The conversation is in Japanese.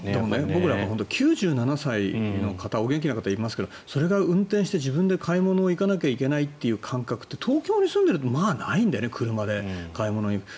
僕らは９７歳の方、お元気な方いますがそれが運転して自分で買い物に行かなきゃいけない感覚って東京に住んでいるとないので買い物に行くと。